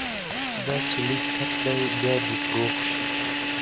دا چې لږ تت دی، بیا دې فروغ شي